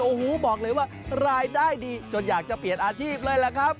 โอ้โหบอกเลยว่ารายได้ดีจนอยากจะเปลี่ยนอาชีพเลยแหละครับ